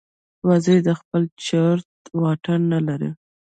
وزې د خپل چرته واټن نه لري